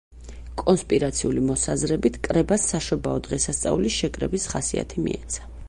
კონსპირაციული მოსაზრებით კრებას საშობაო დღესასწაულის შეკრების ხასიათი მიეცა.